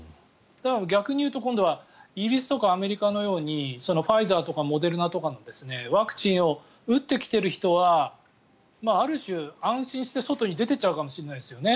逆に言うとイギリスやアメリカのようにファイザーとかモデルナとかのワクチンを打ってきてる人はある種、安心して外に出てっちゃうかもしれないですね。